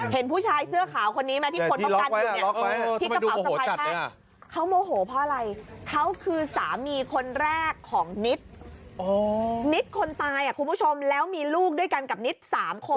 เห็นผู้ชายเสื้อขาวคนนี้ไหมที่คนป้องกันอยู่เนี่ยที่กระเป๋าสะพายแพทย์เขาโมโหเพราะอะไรเขาคือสามีคนแรกของนิดนิดคนตายคุณผู้ชมแล้วมีลูกด้วยกันกับนิด๓คน